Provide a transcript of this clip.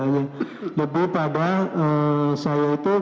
lebih pada saya itu